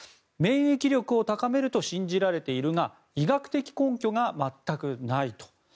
免疫力を高めると信じられているが医学的根拠が全くないと。